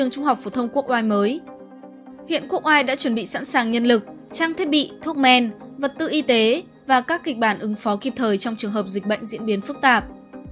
trung quốc đã chuẩn bị sẵn sàng nhân lực trang thiết bị thuốc men vật tư y tế và các kịch bản ứng phó kịp thời trong trường hợp dịch bệnh diễn biến phức tạp